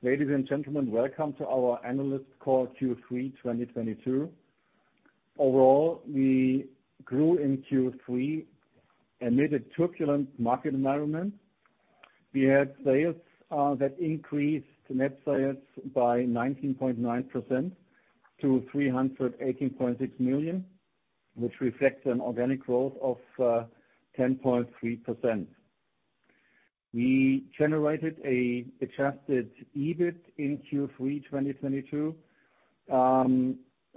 Ladies and gentlemen, welcome to our analyst call, Q3 2022. Overall, we grew in Q3 amid a turbulent market environment. We had sales that increased net sales by 19.9% to 318.6 million, which reflects an organic growth of 10.3%. We generated an Adjusted EBIT in Q3 2022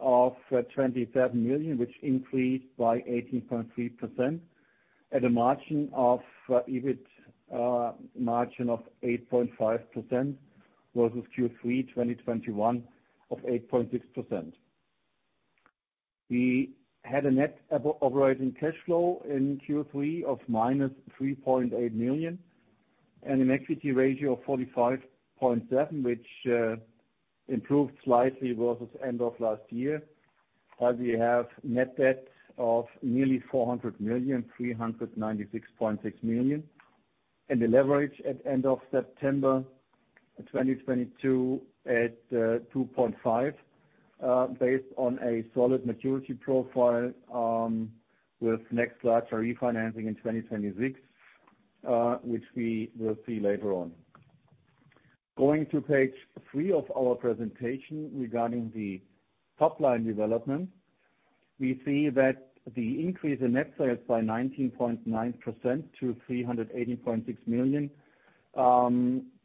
of 27 million, which increased by 18.3% at a margin of EBIT margin of 8.5% versus Q3 2021 of 8.6%. We had a net operating cash flow in Q3 of -3.8 million and an equity ratio of 45.7%, which improved slightly versus end of last year, as we have net debt of nearly 400 million, 396.6 million. The leverage at end of September 2022 at 2.5, based on a solid maturity profile, with next larger refinancing in 2026, which we will see later on. Going to page three of our presentation regarding the top-line development. We see that the increase in net sales by 19.9% to 380.6 million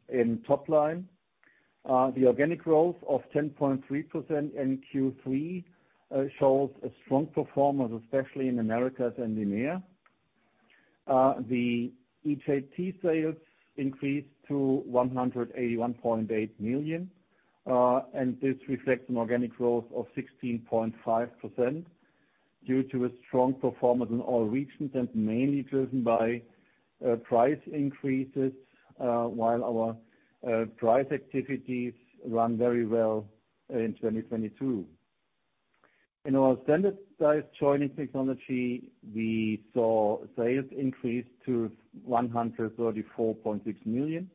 in top line. The organic growth of 10.3% in Q3 shows a strong performance, especially in Americas and EMEA. The EJT sales increased to 181.8 million, and this reflects an organic growth of 16.5% due to a strong performance in all regions and mainly driven by price increases, while our price activities run very well in 2022. In our Standardized Joining Technology, we saw sales increase to 134.6 million.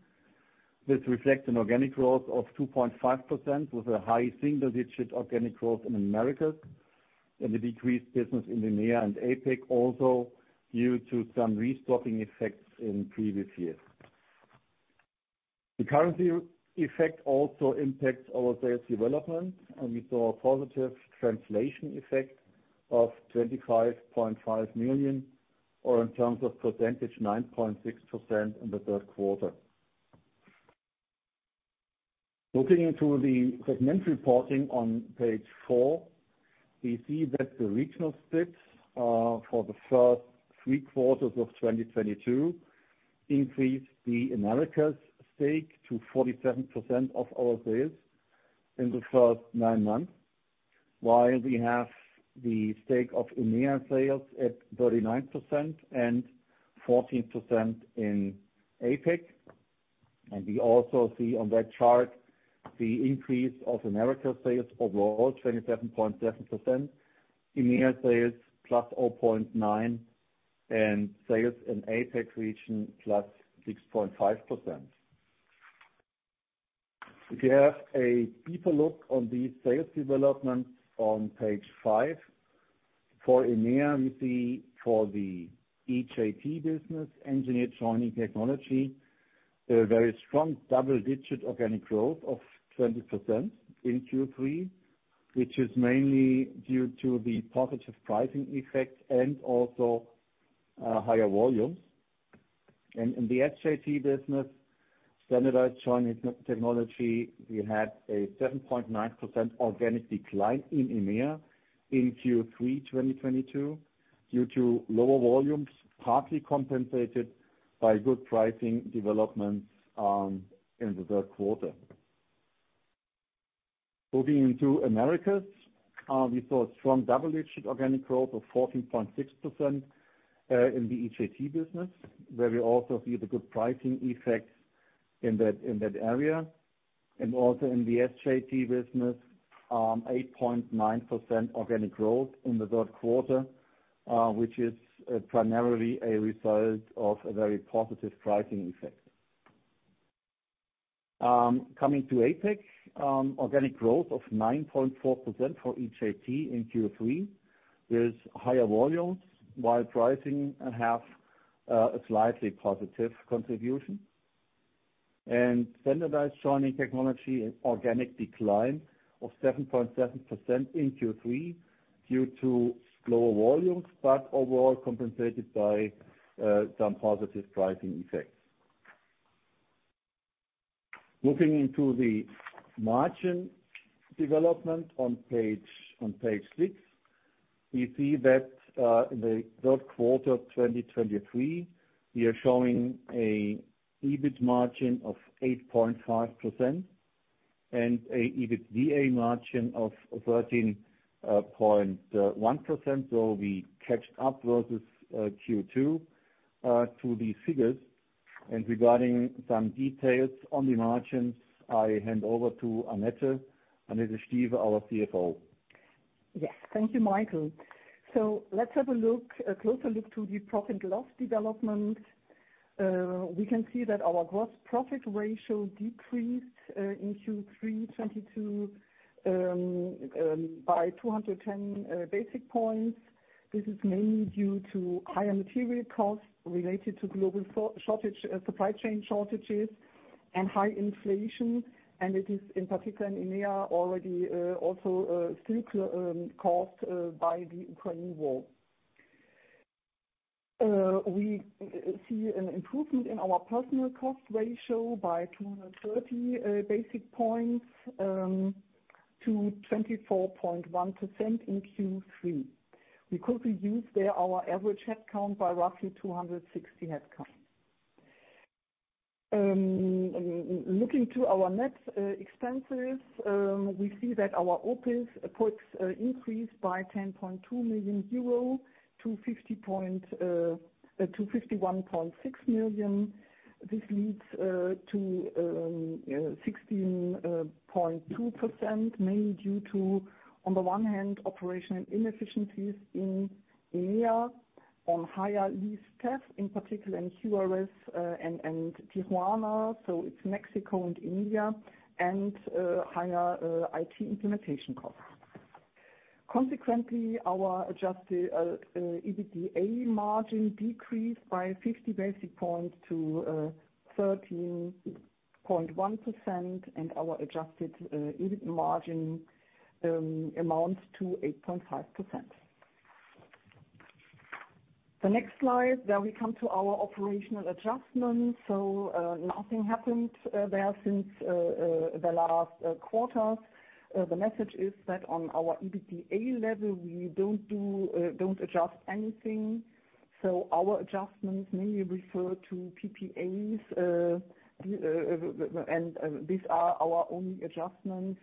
This reflects an organic growth of 2.5% with a high single digit organic growth in Americas and a decreased business in EMEA and APAC also due to some restocking effects in previous years. The currency effect also impacts our sales development, and we saw a positive translation effect of 25.5 million, or in terms of percentage, 9.6% in the third quarter. Looking into the segment reporting on page four, we see that the regional splits for the first three quarters of 2022 increased the Americas stake to 47% of our sales in the first nine months, while we have the stake of EMEA sales at 39% and 14% in APAC. We also see on that chart the increase of America sales overall, 27.7%, EMEA sales plus 0.9%, and sales in APAC region plus 6.5%. If you have a deeper look on the sales development on page five. For EMEA, we see for the EJT business, Engineered Joining Technology, a very strong double-digit organic growth of 20% in Q3, which is mainly due to the positive pricing effect and also higher volumes. In the SJT business, Standardized Joining Technology, we had a 7.9% organic decline in EMEA in Q3 2022 due to lower volumes, partly compensated by good pricing developments in the third quarter. Moving into Americas, we saw a strong double-digit organic growth of 14.6% in the EJT business, where we also see the good pricing effects in that area. Also in the SJT business, 8.9% organic growth in the third quarter, which is primarily a result of a very positive pricing effect. Coming to APAC, organic growth of 9.4% for EJT in Q3. There's higher volumes while pricing have a slightly positive contribution. Standardized Joining Technology, an organic decline of 7.7% in Q3 due to lower volumes, but overall compensated by some positive pricing effects. Looking into the margin development on page six, we see that in the third quarter of 2023, we are showing an EBIT margin of 8.5% and an EBITDA margin of 13.1%, so we caught up versus Q2 to the figures. Regarding some details on the margins, I hand over to Annette Stieve, our CFO. Yes. Thank you, Michael. Let's have a look, a closer look to the profit and loss development. We can see that our gross profit ratio decreased in Q3 2022 by 210 basis points. This is mainly due to higher material costs related to global supply chain shortages and high inflation, and it is in particular in EMEA already also still caused by the Ukrainian war. We see an improvement in our personnel cost ratio by 230 basis points to 24.1% in Q3. We could reduce there our average headcount by roughly 260 headcount. Looking to our net expenses, we see that our OPEX increased by 10.2 million euro to 51.6 million. This leads to 16.2%, mainly due to, on the one hand, operational inefficiencies in EMEA on higher lease staff, in particular in Querétaro and Tijuana, so it's Mexico and India, and higher IT implementation costs. Consequently, our Adjusted EBITDA margin decreased by 50 basis points to 13.1%, and our adjusted EBIT margin amounts to 8.5%. The next slide, there we come to our operational adjustments. Nothing happened there since the last quarter. The message is that on our EBITDA level, we don't adjust anything. Our adjustments mainly refer to PPAs and these are our only adjustments.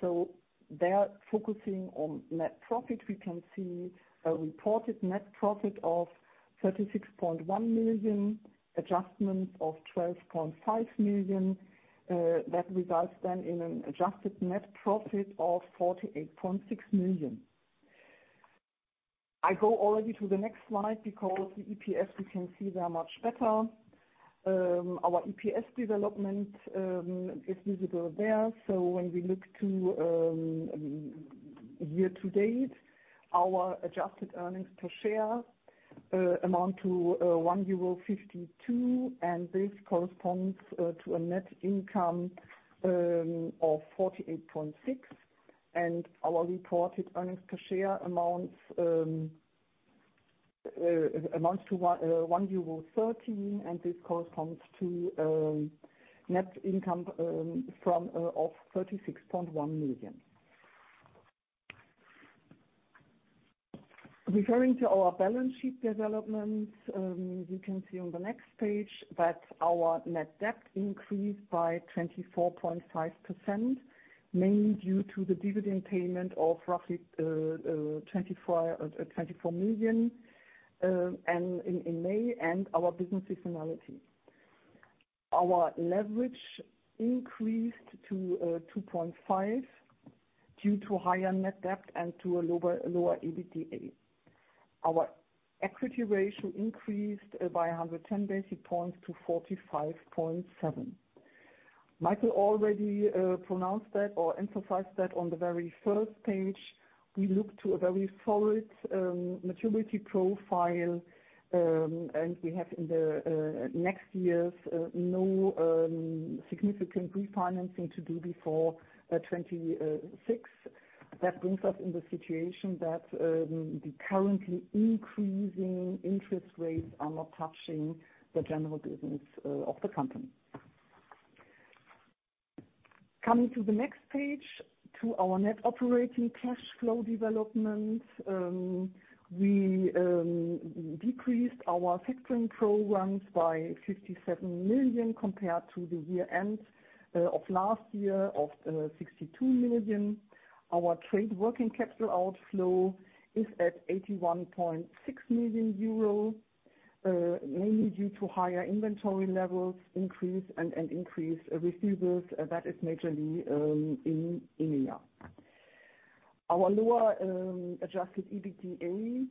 Focusing on net profit, we can see a reported net profit of 36.1 million, adjustment of 12.5 million, that results then in an adjusted net profit of 48.6 million. I go already to the next slide because the EPS we can see there much better. Our EPS development is visible there. When we look to year to date, our adjusted earnings per share amount to 1.52 euro, and this corresponds to a net income of 48.6 million. Our reported earnings per share amounts to 1.13 euro, and this corresponds to net income of 36.1 million. Referring to our balance sheet development, you can see on the next page that our net debt increased by 24.5%, mainly due to the dividend payment of roughly 24 million in May and our business seasonality. Our leverage increased to 2.5 due to higher net debt and to a lower EBITDA. Our equity ratio increased by 110 basis points to 45.7. Michael already pronounced that or emphasized that on the very first page. We look to a very solid maturity profile, and we have in the next years no significant refinancing to do before 2026. That brings us in the situation that the currently increasing interest rates are not touching the general business of the company. Coming to the next page, to our net operating cash flow development, we decreased our factoring programs by 57 million compared to the year-end of last year of 62 million. Our trade working capital outflow is at 81.6 million euro, mainly due to higher inventory levels increase and increased receivables. That is majorly in EMEA. Our lower Adjusted EBITDA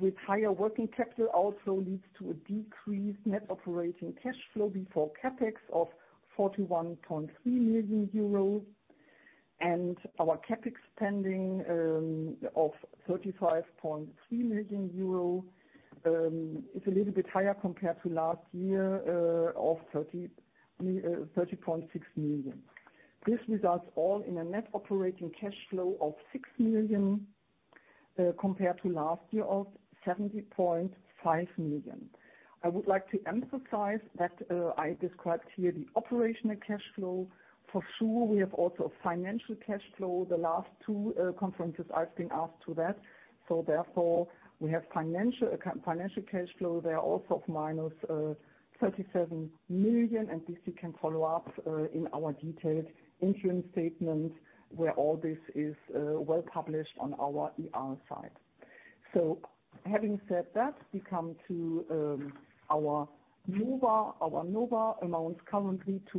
with higher working capital also leads to a decreased net operating cash flow before CapEx of 41.3 million euros. Our CapEx spending of 35.3 million euros is a little bit higher compared to last year of 30.6 million. This results all in a net operating cash flow of 6 million compared to last year of 70.5 million. I would like to emphasize that, I described here the operating cash flow. For sure, we have also financial cash flow. The last two conferences I've been asked about that. Therefore, we have financial cash flow. They are also minus 37 million, and this you can follow up in our detailed interim statement where all this is well published on our IR site. Having said that, we come to our NOVA, which amounts currently to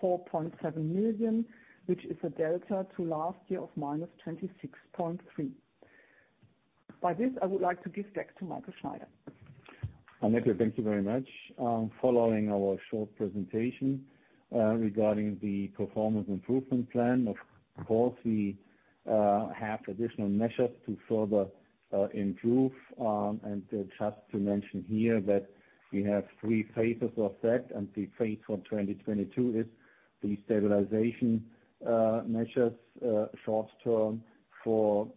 -4.7 million, which is a delta to last year of -26.3. By this, I would like to give back to Michael Schneider. Annette, thank you very much. Following our short presentation regarding the performance improvement plan. Of course, we have additional measures to further improve. Just to mention here that we have three phases of that, and the phase for 2022 is the stabilization measures, short-term for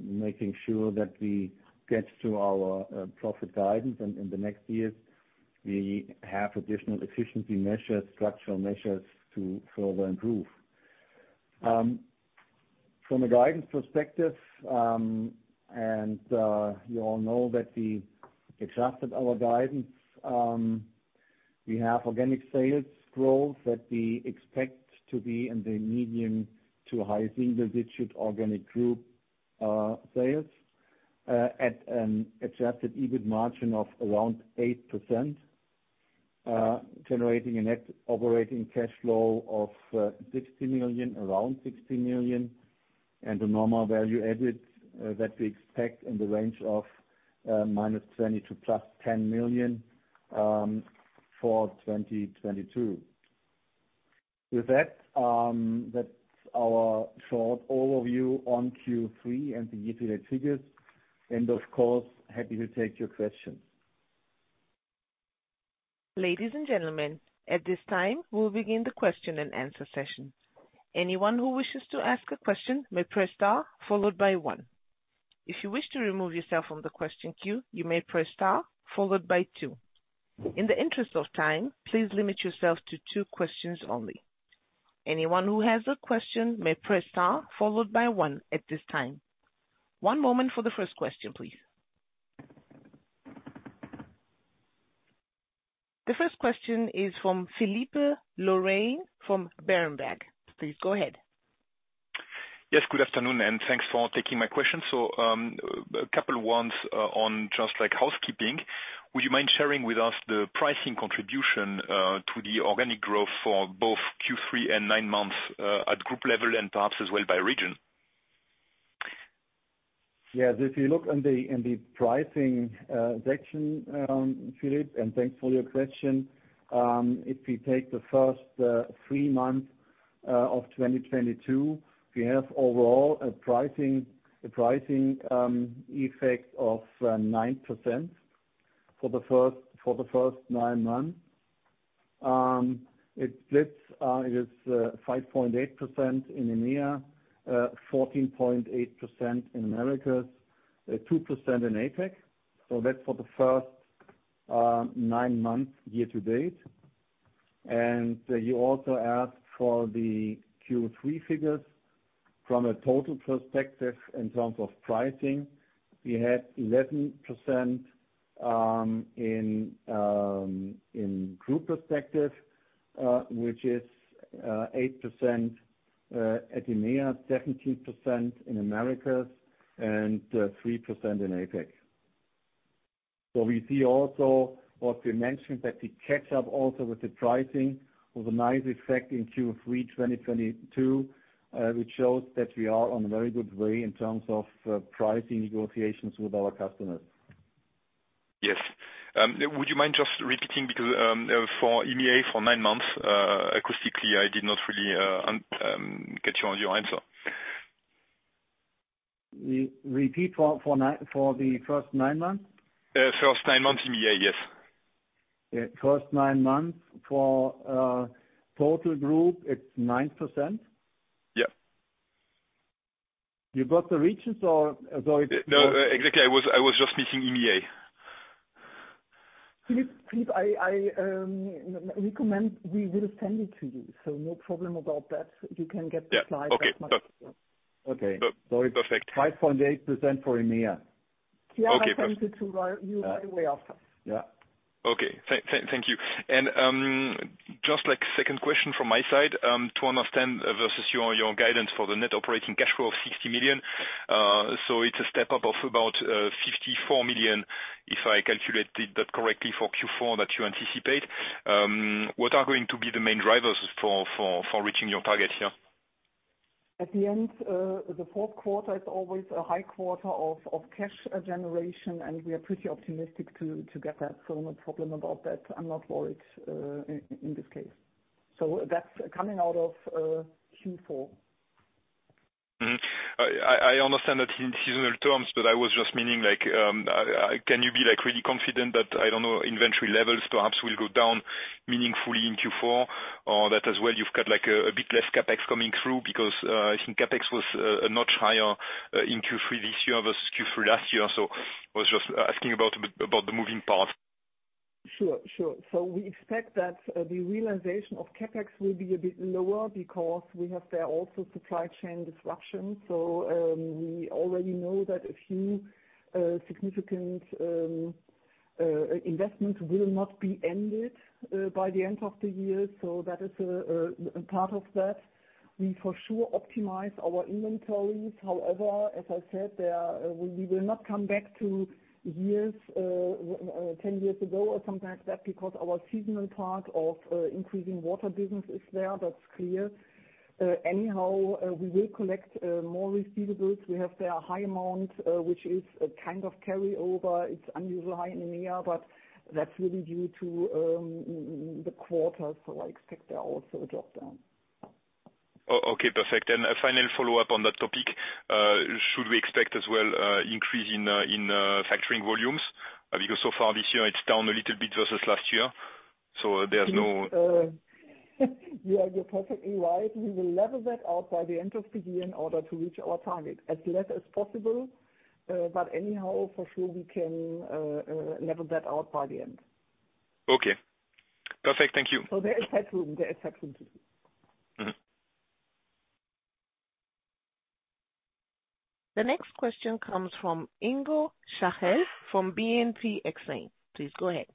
making sure that we get to our profit guidance. In the next years we have additional efficiency measures, structural measures to further improve. From a guidance perspective, you all know that we exhausted our guidance. We have organic sales growth that we expect to be in the medium- to high-single-digit% organic Group sales at an adjusted EBIT margin of around 8%, generating a net operating cash flow of around 60 million and a NORMA Value Added that we expect in the range of -20 million to +10 million for 2022. With that's our short overview on Q3 and the year-to-date figures and, of course, happy to take your questions. Ladies and gentlemen, at this time we'll begin the question-and-answer session. Anyone who wishes to ask a question may press star followed by one. If you wish to remove yourself from the question queue, you may press star followed by two. In the interest of time, please limit yourself to two questions only. Anyone who has a question may press star followed by one at this time. One moment for the first question, please. The first question is from Philippe Laurin from Berenberg. Please go ahead. Yes, good afternoon, and thanks for taking my question. A couple ones, on just like housekeeping. Would you mind sharing with us the pricing contribution to the organic growth for both Q3 and nine months at group level and perhaps as well by region? Yes. If you look in the pricing section, Philippe, and thanks for your question. If we take the first three months of 2022, we have overall a pricing effect of 9% for the first nine months. It is 5.8% in EMEA, 14.8% in Americas, 2% in APAC. That's for the first nine months year to date. You also asked for the Q3 figures. From a total perspective in terms of pricing, we had 11% in group perspective, which is 8% at EMEA, 17% in Americas and 3% in APAC. We see also what we mentioned, that we catch up also with the pricing with a nice effect in Q3 2022, which shows that we are on a very good way in terms of pricing negotiations with our customers. Yes. Would you mind just repeating because for EMEA for nine months, actually, I did not really get you on your answer. Repeat for the first nine months? First nine months, EMEA, yes. Yeah. First nine months for total group, it's 9%. Yeah. You got the regions or so it's. No, exactly. I was just missing EMEA. Philippe, I recommend we will send it to you, so no problem about that. You can get the slide that much clearer. Yeah. Okay. Okay. Per-perfect. 5.8% for EMEA. Yeah, I'll send it to you right away after. Yeah. Okay. Thank you. Just the second question from my side, to understand versus your guidance for the Net Operating Cash Flow of 60 million. It's a step up of about 54 million, if I calculated that correctly for Q4 that you anticipate. What are going to be the main drivers for reaching your target here? At the end, the fourth quarter is always a high quarter of cash generation, and we are pretty optimistic to get that. No problem about that. I'm not worried, in this case. That's coming out of Q4. I understand that in seasonal terms, but I was just meaning like, can you be like really confident that, I don't know, inventory levels perhaps will go down meaningfully in Q4 or that as well you've got like a bit less CapEx coming through because, I think CapEx was a notch higher in Q3 this year versus Q3 last year. I was just asking about the moving path. Sure. We expect that the realization of CapEx will be a bit lower because we have there also supply chain disruptions. We already know that a few significant customers' investment will not be ended by the end of the year, so that is part of that. We for sure optimize our inventories. However, as I said, we will not come back to years ten years ago or something like that because our seasonal part of increasing water business is there. That's clear. Anyhow, we will collect more receivables. We have there a high amount which is a kind of carryover. It's unusually high in a year, but that's really due to the quarter. I expect there also a drop-down. Oh, okay. Perfect. A final follow-up on that topic. Should we expect as well increase in factoring volumes? Because so far this year it's down a little bit versus last year. There's no- Yeah, you're perfectly right. We will level that out by the end of the year in order to reach our target. As late as possible, but anyhow, for sure we can level that out by the end. Okay. Perfect. Thank you. There is headroom. There is headroom to do. Mm-hmm. The next question comes from Ingo Schachel from BNP Paribas Exane. Please go ahead.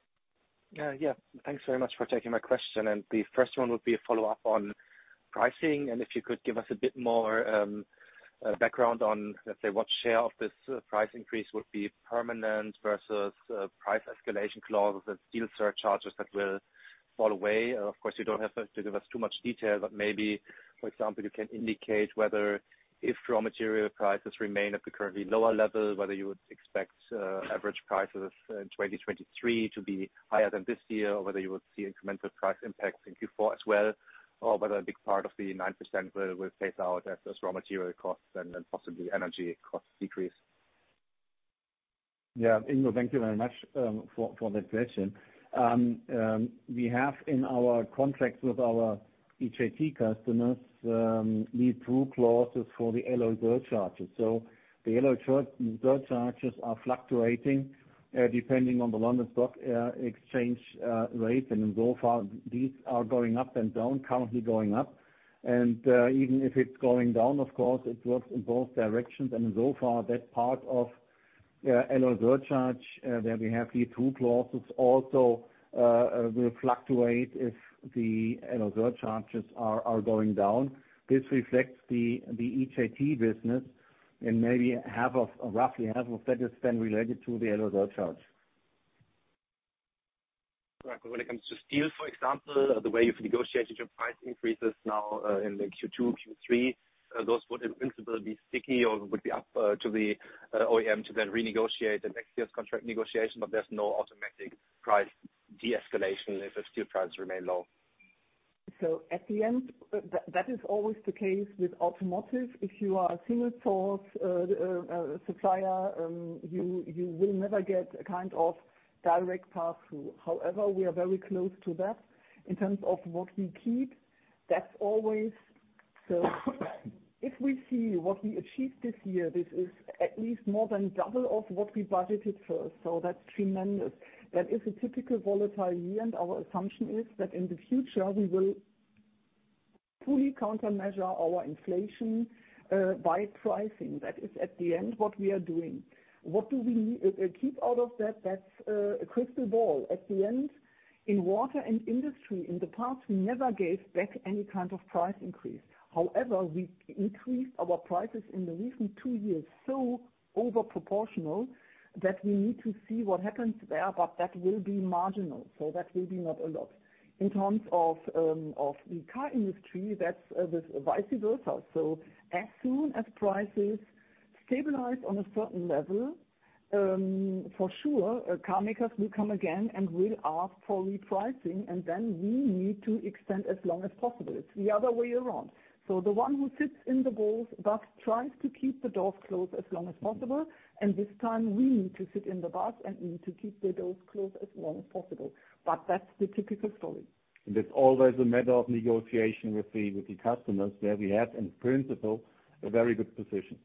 Yeah, thanks very much for taking my question, and the first one would be a follow-up on pricing, and if you could give us a bit more background on, let's say, what share of this price increase would be permanent versus price escalation clauses and steel surcharges that will fall away. Of course, you don't have to give us too much detail, but maybe, for example, you can indicate whether if raw material prices remain at the currently lower level, whether you would expect average prices in 2023 to be higher than this year, or whether you would see incremental price impacts in Q4 as well, or whether a big part of the 9% will phase out as those raw material costs and then possibly energy costs decrease. Yeah. Ingo, thank you very much for that question. We have in our contracts with our EJT customers pass-through clauses for the alloy surcharges. The alloy surcharges are fluctuating depending on the London Metal Exchange rate. In so far, these are going up and down, currently going up. Even if it's going down, of course, it works in both directions. In so far, that part of the alloy surcharge that we have here too clauses also will fluctuate if the alloy surcharges are going down. This reflects the EJT business, and maybe half of, roughly half of that is then related to the alloy surcharge. Right. When it comes to steel, for example, the way you've negotiated your price increases now, in the Q2, Q3, those would in principle be sticky or would be up to the OEM to then renegotiate the next year's contract negotiation, but there's no automatic price de-escalation if the steel prices remain low. At the end, that is always the case with automotive. If you are a single source supplier, you will never get a kind of direct path through. However, we are very close to that. In terms of what we keep, that's always. If we see what we achieved this year, this is at least more than double of what we budgeted for. That's tremendous. That is a typical volatile year, and our assumption is that in the future we will fully countermeasure our inflation by pricing. That is at the end what we are doing. What do we keep out of that? That's a crystal ball. At the end, in water and industry, in the past, we never gave back any kind of price increase. However, we increased our prices in the recent two years so over proportional that we need to see what happens there, but that will be marginal. That will be not a lot. In terms of of the car industry, that's the vice versa. As soon as prices stabilize on a certain level, for sure our car makers will come again and will ask for repricing, and then we need to extend as long as possible. It's the other way around. The one who sits in the driver's seat tries to keep the door closed as long as possible, and this time we need to sit in the bus and need to keep the doors closed as long as possible. That's the typical story. It's always a matter of negotiation with the customers where we have, in principle, a very good position.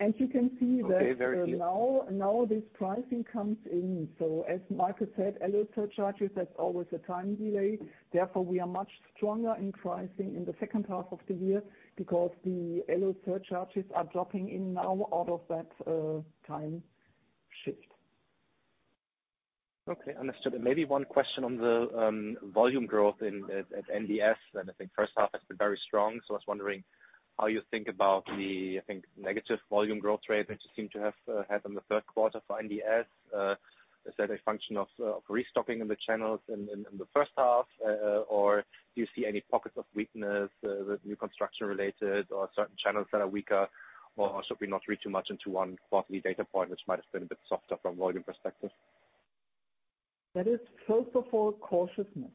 As you can see. Okay. Very clear. Now this pricing comes in. As Michael said, alloy surcharges, that's always a time delay. Therefore, we are much stronger in pricing in the second half of the year because the alloy surcharges are dropping in now out of that time shift. Okay. Understood. Maybe one question on the volume growth in at NDS. I think first half has been very strong. I was wondering how you think about the, I think, negative volume growth rate that you seem to have had in the third quarter for NDS. Is that a function of restocking in the channels in the first half, or do you see any pockets of weakness, new construction related or certain channels that are weaker? Should we not read too much into one quarterly data point which might have been a bit softer from a volume perspective? That is first of all cautiousness.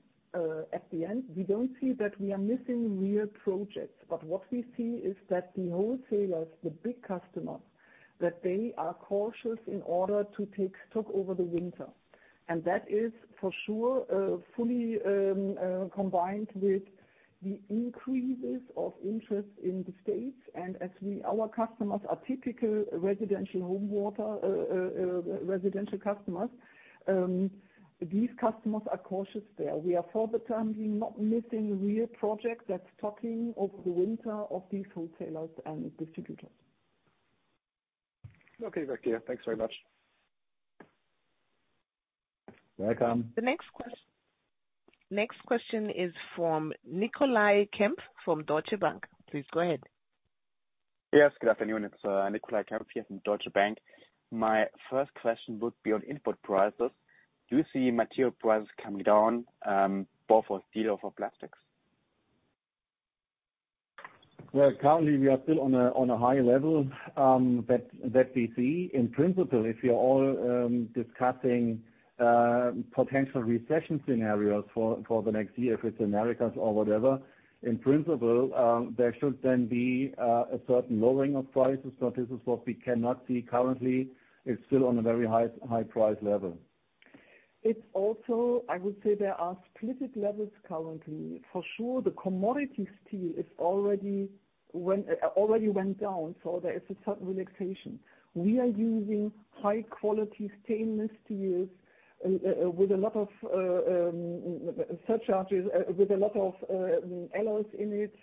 At the end, we don't see that we are missing real projects. What we see is that the wholesalers, the big customers, that they are cautious in order to take stock over the winter. That is for sure fully combined with the increases of interest in the States. Our customers are typical residential home water, residential customers. These customers are cautious there. We are for the time being not missing real projects that's talking over the winter of these wholesalers and distributors. Okay, thank you. Thanks very much. Welcome. The next question is from Nicolai Kempf from Deutsche Bank. Please go ahead. Yes, good afternoon. It's Nicolai Kempf here from Deutsche Bank. My first question would be on input prices. Do you see material prices coming down, both for steel or for plastics? Well, currently, we are still on a high level that we see. In principle, if you're all discussing potential recession scenarios for the next year, if it's Americas or whatever, in principle, there should then be a certain lowering of prices, but this is what we cannot see currently. It's still on a very high price level. It's also, I would say there are specific levels currently. For sure, the commodity steel already went down, so there is a certain relaxation. We are using high-quality stainless steels with a lot of surcharges, with a lot of alloys in it.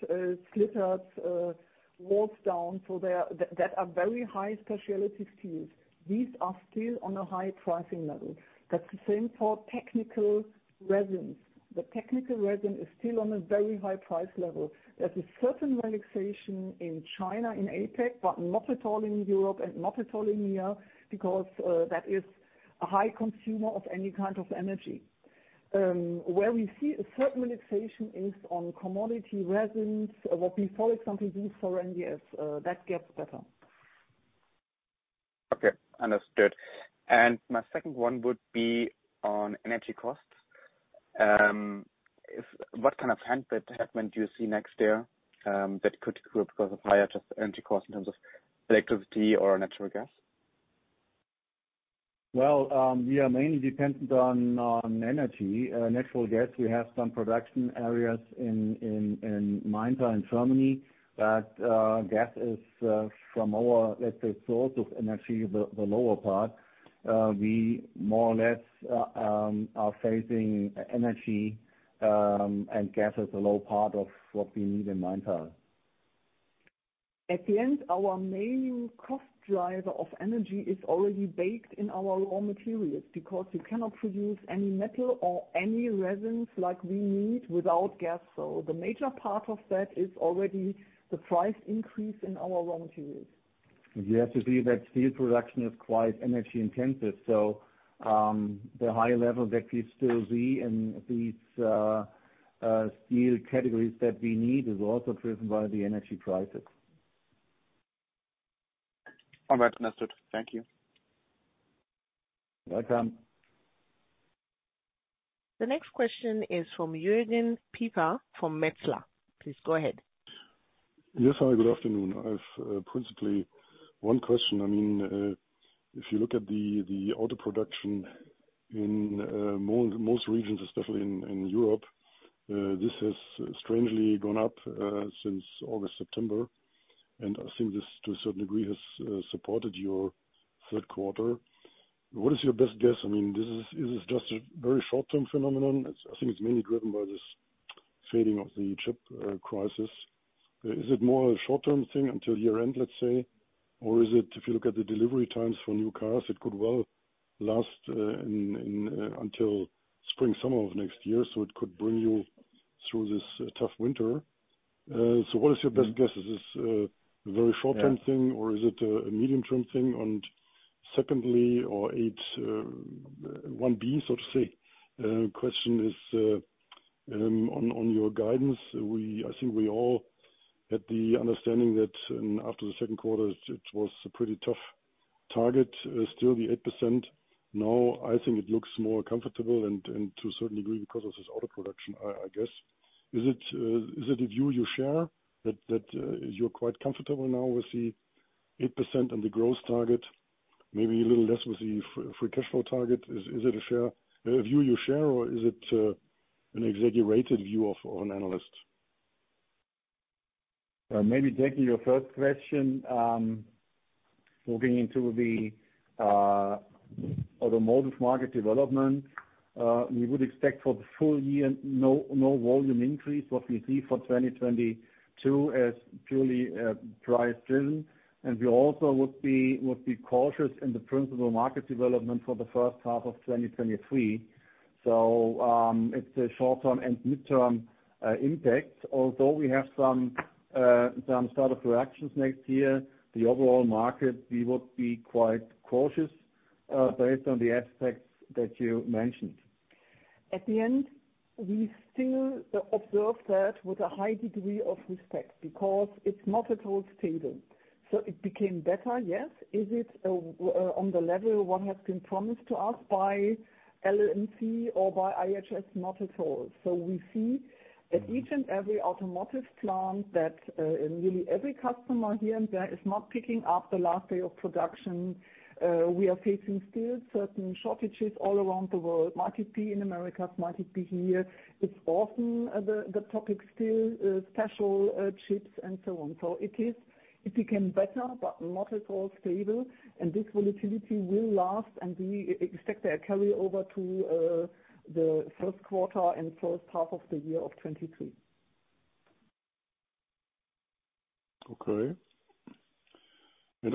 So they are very high specialty steels. These are still on a high pricing level. That's the same for technical resins. The technical resin is still on a very high price level. There's a certain relaxation in China, in APAC, but not at all in Europe and not at all in here because that is a high consumer of any kind of energy. Where we see a certain relaxation is on commodity resins, what we for example use for NDS, that gets better. Okay, understood. My second one would be on energy costs. What kind of headwinds do you see next year that could creep because of higher just energy costs in terms of electricity or natural gas? Well, we are mainly dependent on energy. Natural gas, we have some production areas in Maintal in Germany that gas is from our, let's say, source of energy, the lower part. We more or less are facing energy, and gas is a low part of what we need in Maintal. At the end, our main cost driver of energy is already baked in our raw materials because you cannot produce any metal or any resins like we need without gas. The major part of that is already the price increase in our raw materials. You have to see that steel production is quite energy-intensive. The high level that we still see in these steel categories that we need is also driven by the energy prices. All right. Understood. Thank you. Welcome. The next question is from Jürgen Pieper from Metzler. Please go ahead. Yes, hi, good afternoon. I've principally one question. I mean, if you look at the auto production in most regions, especially in Europe, this has strangely gone up since August, September. I think this, to a certain degree, has supported your third quarter. What is your best guess? I mean, is it just a very short-term phenomenon? I think it's mainly driven by this fading of the chip crisis. Is it more a short-term thing until year-end, let's say? Or is it, if you look at the delivery times for new cars, it could well last until spring, summer of next year, so it could bring you through this tough winter. What is your best guess? Is this a very short-term thing, or is it a medium-term thing? Secondly, so to say, question is on your guidance. I think we all had the understanding that, after the second quarter, it was a pretty tough target, still the 8%. Now, I think it looks more comfortable and to a certain degree because of this auto production, I guess. Is it a view you share that you're quite comfortable now with the 8% on the growth target? Maybe a little less with the free cash flow target. Is it a view you share, or is it an exaggerated view of an analyst? Maybe taking your first question, moving into the automotive market development, we would expect for the full year no volume increase. What we see for 2022 is purely price driven. We also would be cautious in the principal market development for the first half of 2023. It's a short-term and mid-term impact. Although we have some sort of reactions next year, the overall market, we would be quite cautious based on the aspects that you mentioned. At the end, we still observe that with a high degree of respect because it's not at all stable. It became better, yes. Is it on the level one has been promised to us by LMC or by IHS? Not at all. We see at each and every automotive plant that, and really every customer here and there, is not picking up the last day of production. We are facing still certain shortages all around the world. Might it be in America, might it be here. It's often the topic still, special chips and so on. It is. It became better, but not at all stable. This volatility will last, and we expect a carryover to the first quarter and first half of the year of 2023. Okay.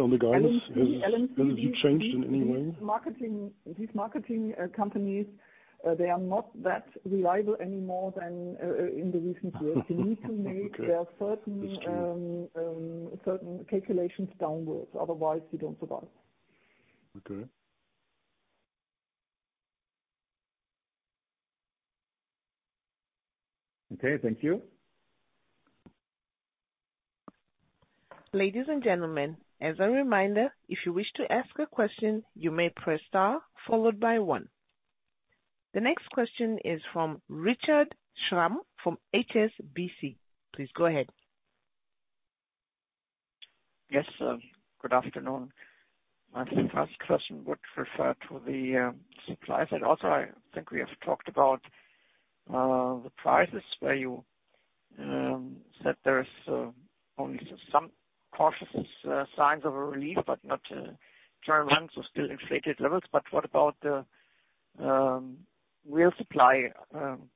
On the guidance, has it changed in any way? These marketing companies, they are not that reliable anymore than in the recent years. Okay. You need to make sure there are certain. That's clear. Certain calculations downwards, otherwise you don't survive. Okay. Okay, thank you. Ladies and gentlemen, as a reminder, if you wish to ask a question, you may press star followed by one. The next question is from Richard Schramm from HSBC. Please go ahead. Yes, good afternoon. My first question would refer to the supply side. Also, I think we have talked about the prices where you said there is only some cautious signs of a relief, but not turn around, so still inflated levels. What about the real supply?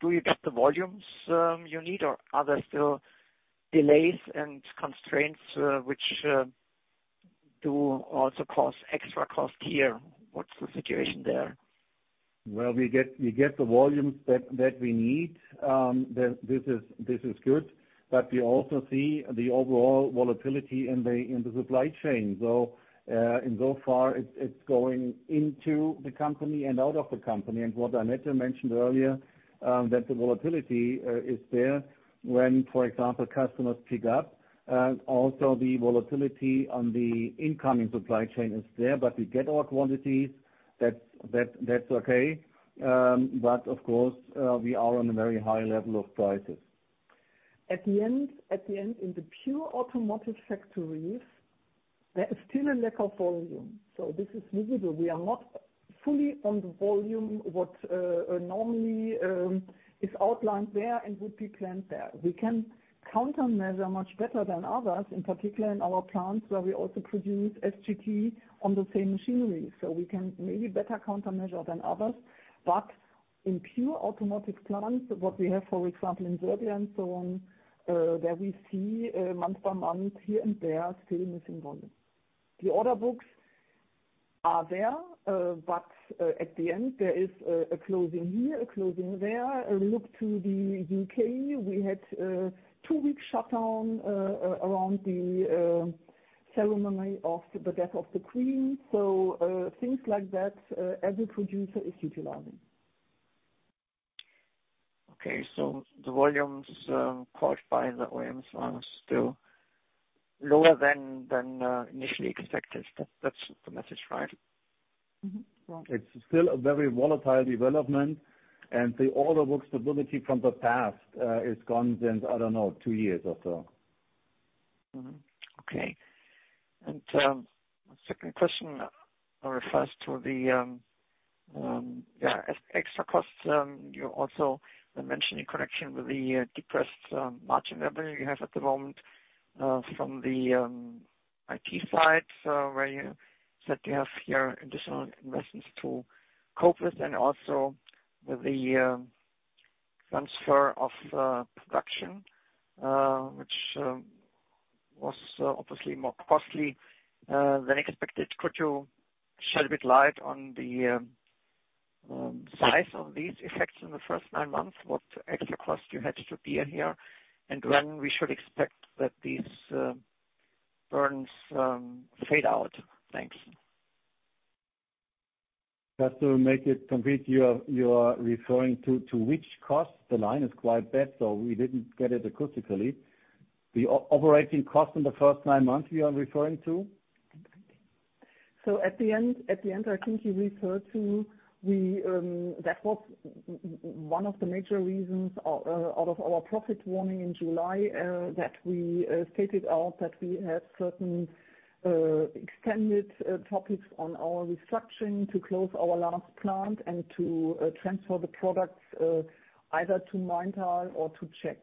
Do you get the volumes you need, or are there still delays and constraints which do also cause extra cost here? What's the situation there? Well, we get the volumes that we need. This is good. We also see the overall volatility in the supply chain. In so far, it's going into the company and out of the company. What Annette mentioned earlier, that the volatility is there when, for example, customers pick up. Also the volatility on the incoming supply chain is there, but we get our quantities. That's okay. Of course, we are on a very high level of prices. At the end, in the pure automotive factories, there is still a lack of volume. This is visible. We are not fully on the volume what normally is outlined there and would be planned there. We can countermeasure much better than others, in particular in our plants, where we also produce FGT on the same machinery, so we can maybe better countermeasure than others. In pure automotive plants, what we have, for example, in Serbia and so on, there we see month by month here and there still missing volume. The order books are there, but at the end there is a closing here, a closing there. Look to the U.K. We had a two-week shutdown around the ceremony of the death of the Queen. Things like that, as a producer is utilizing. Okay. The volumes caused by the OEMs are still lower than initially expected. That's the message, right? Mm-hmm. It's still a very volatile development. The order book stability from the past is gone since, I don't know, two years or so. Okay. Second question refers to the extra costs you also mentioned in connection with the depressed margin level you have at the moment, from the IT side, where you said you have here additional investments to cope with and also with the transfer of production, which was obviously more costly than expected. Could you shed a bit light on the size of these effects in the first nine months, what extra cost you had to bear here, and when we should expect that these burdens fade out? Thanks. Just to make it complete, you're referring to which cost? The line is quite bad, so we didn't get it acoustically. The operating cost in the first nine months we are referring to? At the end, I think he referred to we that was one of the major reasons out of our profit warning in July that we stated out that we had certain extended topics on our restructuring to close our last plant and to transfer the products either to Maintal or to Czech.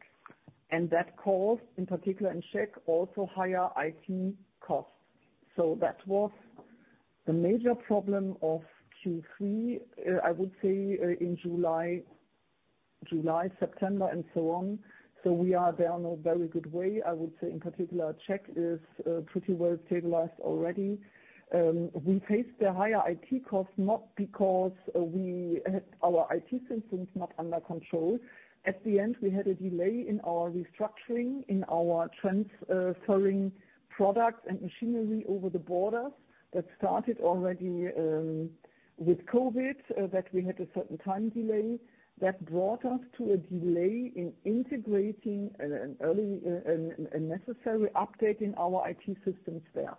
That caused, in particular in Czech, also higher IT costs. That was the major problem of Q3, I would say in July, September, and so on. We are there on a very good way. I would say in particular, Czech is pretty well stabilized already. We faced the higher IT cost not because we had our IT systems not under control. At the end, we had a delay in our restructuring, in our transferring products and machinery over the border that started already with COVID, that we had a certain time delay that brought us to a delay in integrating an early and necessary update in our IT systems there.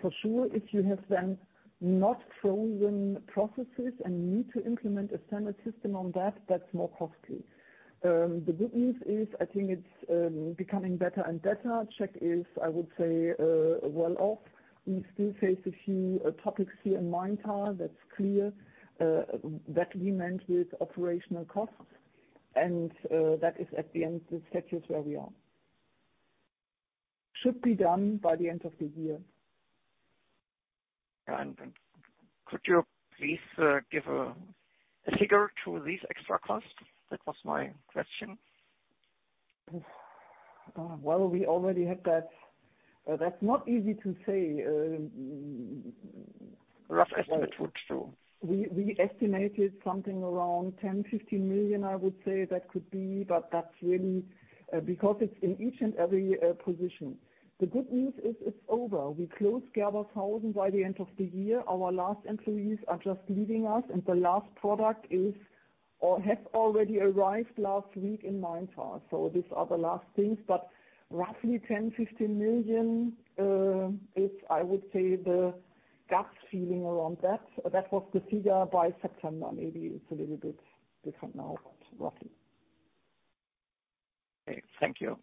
For sure, if you have then not frozen processes and need to implement a standard system on that's more costly. The good news is I think it's becoming better and better. That is, I would say, well off. We still face a few topics here in Maintal. That's clear. That we meant with operational costs. That is at the end, the status where we are. Should be done by the end of the year. Could you please, give a figure to these extra costs? That was my question. Well, we already had that. That's not easy to say. Rough estimate would do. We estimated something around 10 million-15 million, I would say, that could be. That's really because it's in each and every position. The good news is it's over. We closed Gerbershausen by the end of the year. Our last employees are just leaving us, and the last product is or has already arrived last week in Maintal. These are the last things, but roughly 10 million-15 million is, I would say, the gut feeling around that. That was the figure by September. Maybe it's a little bit different now, but roughly. Okay, thank you.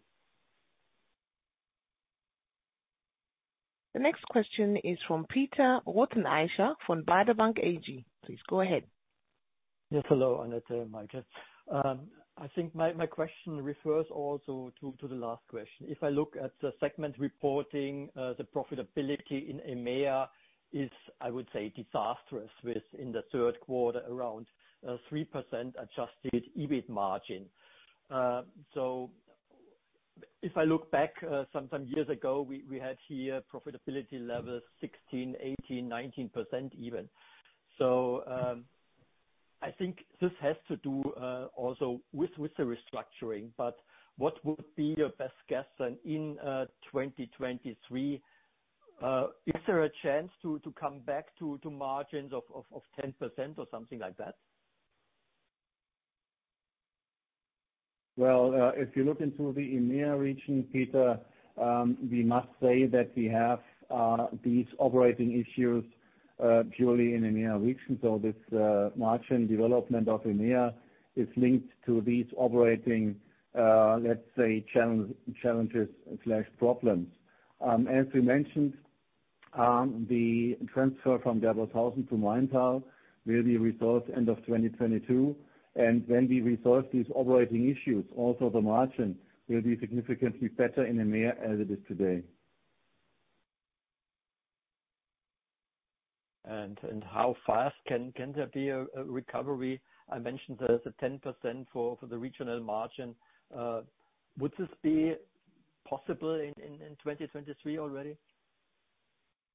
The next question is from Peter Rothenaicher, from Baader Bank AG. Please go ahead. Yes, hello, Annette Stieve and Michael Schneider. I think my question refers also to the last question. If I look at the segment reporting, the profitability in EMEA is, I would say, disastrous, within the third quarter around 3% adjusted EBIT margin. If I look back some years ago, we had here profitability levels 16%, 18%, 19% even. I think this has to do also with the restructuring, but what would be your best guess then in 2023? Is there a chance to come back to margins of 10% or something like that? Well, if you look into the EMEA region, Peter, we must say that we have these operating issues purely in EMEA region. This margin development of EMEA is linked to these operating, let's say challenges/problems. As we mentioned, the transfer from Gerbershausen to Maintal will be resolved end of 2022. When we resolve these operating issues, also the margin will be significantly better in EMEA as it is today. How fast can there be a recovery? I mentioned the 10% for the regional margin. Would this be possible in 2023 already?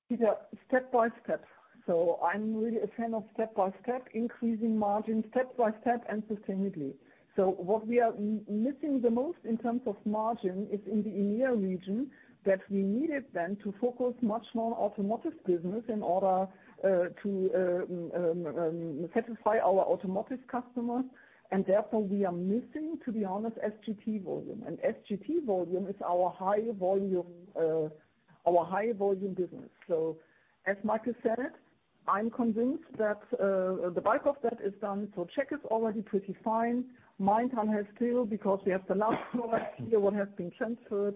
Peter, step by step. I'm really a fan of step by step, increasing margin step by step and sustainably. What we are missing the most in terms of margin is in the EMEA region, that we needed then to focus much more on automotive business in order to satisfy our automotive customers. Therefore, we are missing, to be honest, SJT volume. SJT volume is our high volume, our high volume business. As Michael said, I'm convinced that the bulk of that is done. Czech is already pretty fine. Maintal has still because we have the last product here what has been transferred.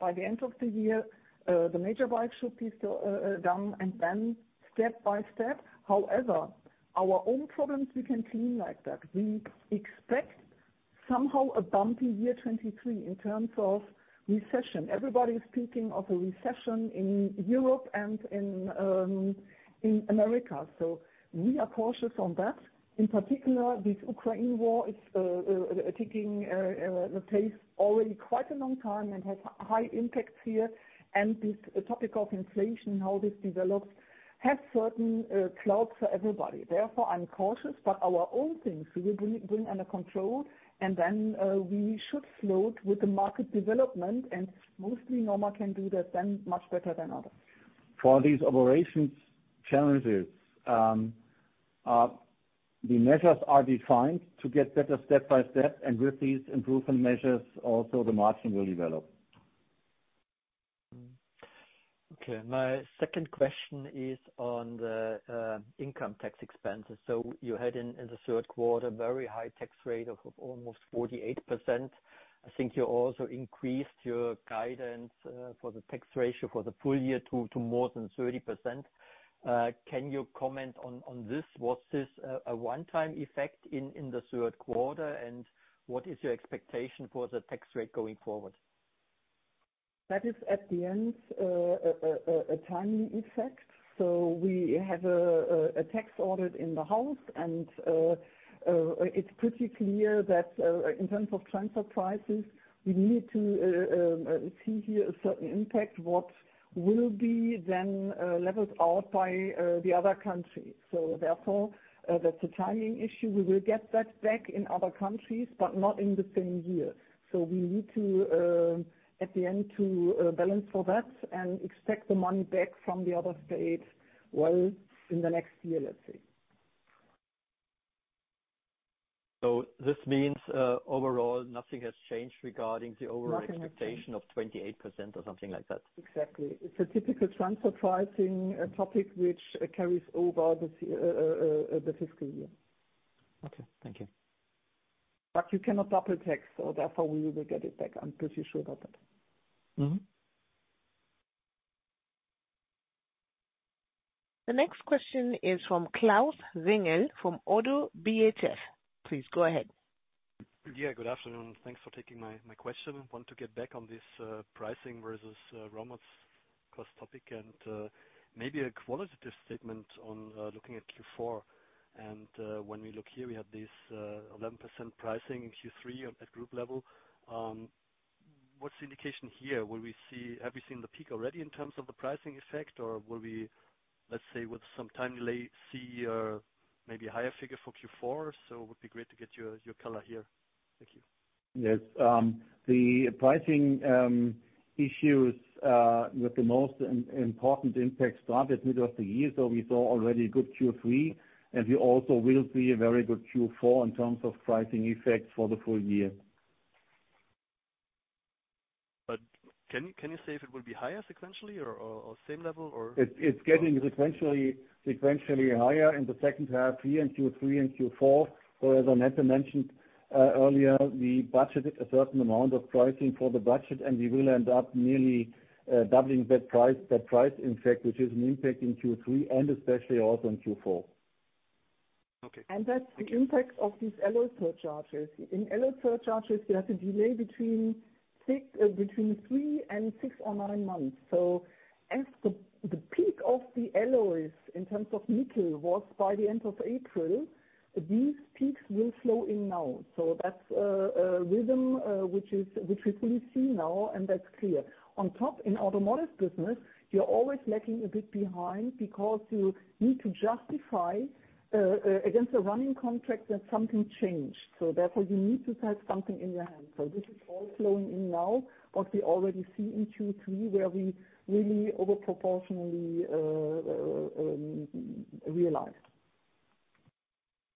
By the end of the year, the major bulk should be still done, and then step by step. However, our own problems will continue like that. We expect somehow a bumpy year 2023 in terms of recession. Everybody is thinking of a recession in Europe and in America. We are cautious on that. In particular, this Ukraine war is taking place already quite a long time and has high impacts here. This topic of inflation and how this develops has certain clouds for everybody. Therefore, I'm cautious. Our own things we will bring under control, and then we should float with the market development, and mostly NORMA can do that then much better than others. For these operations challenges, the measures are defined to get better step by step, and with these improvement measures, also the margin will develop. Okay. My second question is on the income tax expenses. You had in the third quarter very high tax rate of almost 48%. I think you also increased your guidance for the tax ratio for the full year to more than 30%. Can you comment on this? Was this a one-time effect in the third quarter, and what is your expectation for the tax rate going forward? That is at the end a timing effect. We have a tax audit in the house, and it's pretty clear that in terms of transfer prices, we need to see here a certain impact, what will be then leveled out by the other countries. Therefore, that's a timing issue. We will get that back in other countries, but not in the same year. We need to at the end to balance for that and expect the money back from the other states, well, in the next year, let's say. This means, overall, nothing has changed regarding the overall. Nothing has changed. expectation of 28% or something like that? Exactly. It's a typical transfer pricing, topic which carries over the year, the fiscal year. Okay, thank you. you cannot double tax, so therefore we will get it back. I'm pretty sure about that. Mm-hmm. The next question is from Klaus Wingerte from Oddo BHF. Please go ahead. Yeah, good afternoon. Thanks for taking my question. Want to get back on this, pricing versus, raw materials cost topic, and maybe a qualitative statement on looking at Q4. When we look here, we have this 11% pricing in Q3 at group level. What's the indication here? Have we seen the peak already in terms of the pricing effect? Or will we, let's say, with some time delay, see maybe a higher figure for Q4? Would be great to get your color here. Thank you. Yes. The pricing issues with the most important impact started middle of the year. We saw already a good Q3, and we also will see a very good Q4 in terms of pricing effects for the full year. Can you say if it will be higher sequentially or same level, or? It's getting sequentially higher in the second half here in Q3 and Q4. As Annette mentioned earlier, we budgeted a certain amount of pricing for the budget, and we will end up nearly doubling that price, in fact, which is an impact in Q3 and especially also in Q4. Okay. That's the impact of these alloy surcharges. In alloy surcharges, you have a delay between three and six or nine months. As the peak of the alloys in terms of nickel was by the end of April, these peaks will flow in now. That's a rhythm which we fully see now, and that's clear. On top, in automotive business, you're always lagging a bit behind because you need to justify against a running contract that something changed. Therefore, you need to have something in your hand. This is all flowing in now, what we already see in Q3, where we really over proportionally realized.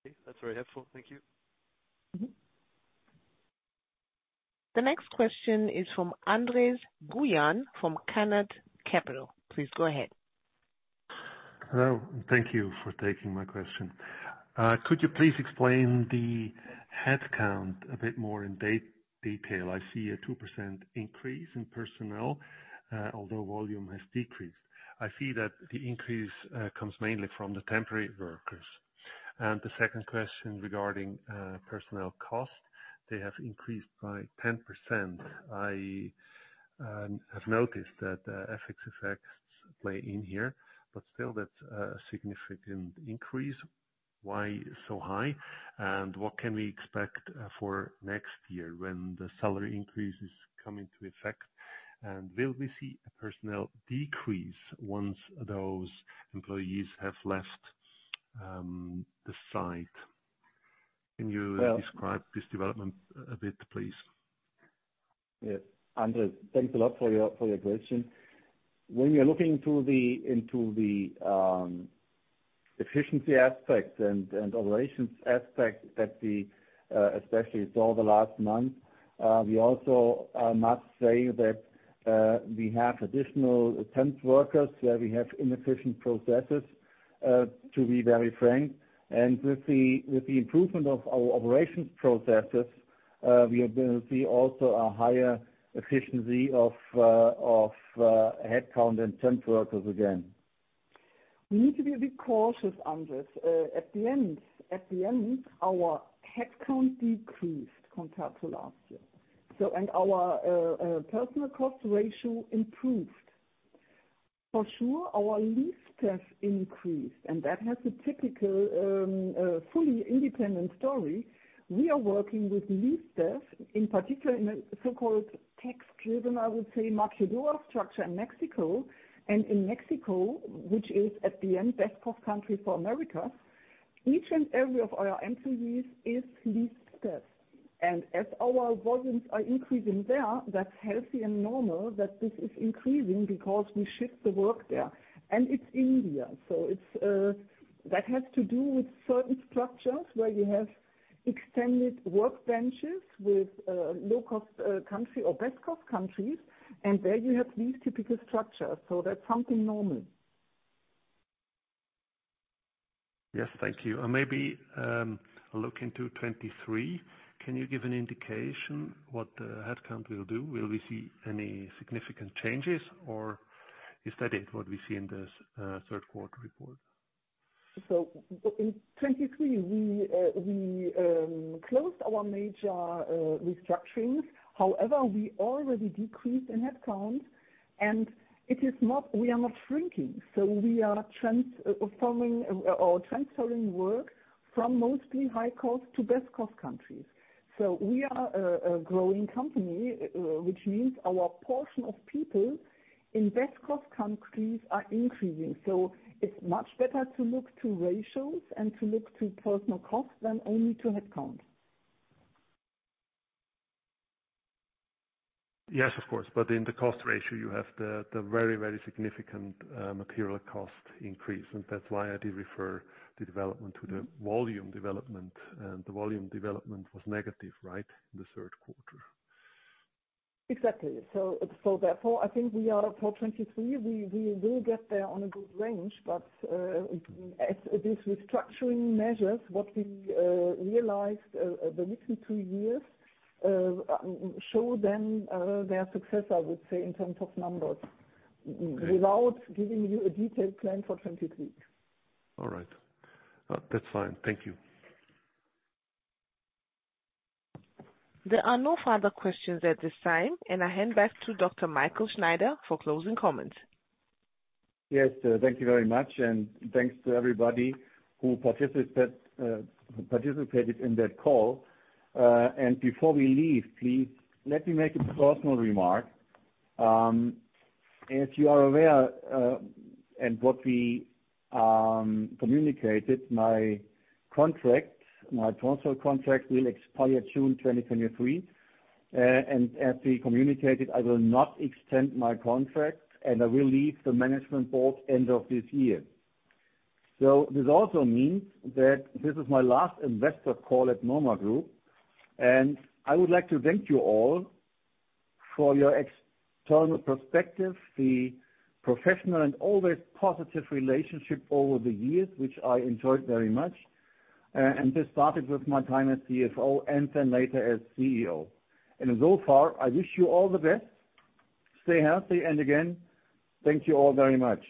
Okay, that's very helpful. Thank you. Mm-hmm. The next question is from Andres Buyan from Canaccord Genuity. Please go ahead. Hello, thank you for taking my question. Could you please explain the headcount a bit more in detail? I see a 2% increase in personnel, although volume has decreased. I see that the increase comes mainly from the temporary workers. The second question regarding personnel costs. They have increased by 10%. I have noticed that FX effects play in here, but still, that's a significant increase. Why so high? What can we expect for next year when the salary increases come into effect? Will we see a personnel decrease once those employees have left the site? Can you describe this development a bit, please? Yes. Andres, thanks a lot for your question. When you're looking to the efficiency aspect and operations aspect that we especially saw last month, we also must say that we have additional temp workers where we have inefficient processes, to be very frank. With the improvement of our operations processes, we are gonna see also a higher efficiency of headcount and temp workers again. We need to be a bit cautious, Andres. At the end, our headcount decreased compared to last year, and our personnel cost ratio improved. For sure, our leased staff increased, and that has a typical fully independent story. We are working with leased staff, in particular in the so-called tax-driven, I would say, maquiladora structure in Mexico. In Mexico, which is at the end best cost country for America, each and every of our employees is leased staff. As our volumes are increasing there, that's healthy and normal that this is increasing because we shift the work there. It's India. It's that has to do with certain structures where you have extended work benches with low-cost country or best cost countries, and there you have these typical structures. That's something normal. Yes, thank you. Maybe look into 2023. Can you give an indication what the headcount will do? Will we see any significant changes or is that it, what we see in this third quarter report? In 2023, we closed our major restructurings. However, we already decreased in headcount, and we are not shrinking. We are transforming or transferring work from mostly high cost to best cost countries. We are a growing company, which means our proportion of people in best cost countries is increasing. It's much better to look to ratios and to look to personnel cost than only to headcount. Yes, of course. In the cost ratio, you have the very significant material cost increase, and that's why I did refer the development to the volume development. The volume development was negative, right, in the third quarter? Exactly. Therefore, I think we are for 2023, we will get there on a good range. At these restructuring measures, what we realized, the recent two years show then their success, I would say, in terms of numbers, without giving you a detailed plan for 2023. All right. That's fine. Thank you. There are no further questions at this time, and I hand back to Dr. Michael Schneider for closing comments. Yes, thank you very much and thanks to everybody who participated in that call. Before we leave, please let me make a personal remark. As you are aware, and what we communicated, my consultancy contract will expire June 2023. As we communicated, I will not extend my contract, and I will leave the management board end of this year. This also means that this is my last investor call at NORMA Group, and I would like to thank you all for your external perspective, the professional and always positive relationship over the years, which I enjoyed very much. This started with my time as CFO and then later as CEO. So far, I wish you all the best. Stay healthy, and again, thank you all very much.